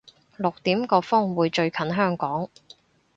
六點個風會最近香港